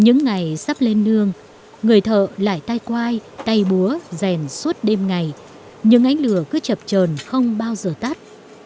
những ngày sắp lên nương người thợ lại tay quai tay búa rèn suốt đêm ngày những ánh lửa cứ chập trờn không bao giờ tắt